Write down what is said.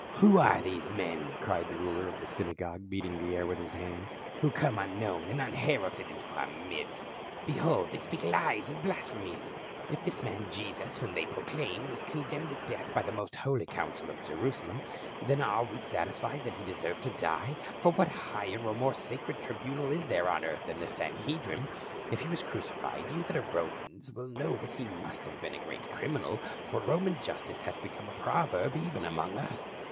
" Who are these men ?" cried the ruler of the syna gogue, beating the air with his hands, '' who come un known and unheralded into our midst? Behold, they speak lies and blasphemies ! If this man Jesus, whom they proclaim, was condemned to death by the most holy council of Jerusalem, then are we satisfied that he deserved to die, for what higher or more sacred tribunal is there on earth than the Sanhedrim ? If he was crucified, you that are Romans will know that he must have been a great criminal, for Roman justice hath become a proverb even among us.